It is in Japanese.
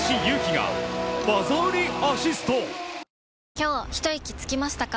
今日ひといきつきましたか？